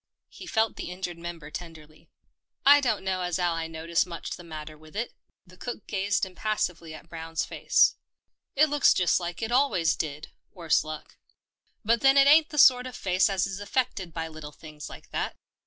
He felt the injured member tenderly. " I don't know as 'ow I notice much the 152 THE PEPNOTISED MILK matter with it." The cook gazed impassively at Brown's face. " It looks just like it al wa}^s did, worse luck. But then it ain't the sort of face as is affected by little things like that.